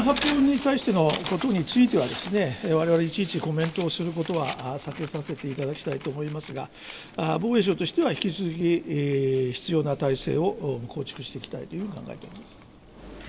発表に対してのことについてはですね、われわれいちいちコメントをすることは避けさせていただきたいと思いますが、防衛省としては、引き続き必要な体制を構築していきたいというふうに考え